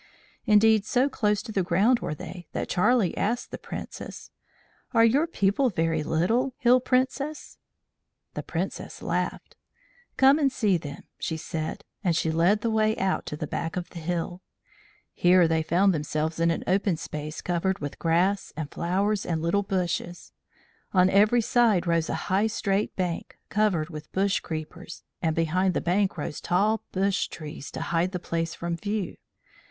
Indeed, so close to the ground were they that Charlie asked the Princess: "Are your people very little, Hill Princess?" The Princess laughed. "Come and see them," she said, and she led the way out to the back of the hill. Here they found themselves in an open space covered with grass and flowers and little bushes. On every side rose a high straight bank, covered with bush creepers, and behind the bank rose tall bush trees to hide the place from view.